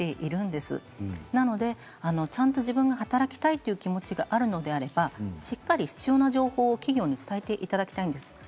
ですので、ちゃんと自分が働きたいという気持ちがあるのであればしっかり必要な情報を企業に伝えていただきたいんです。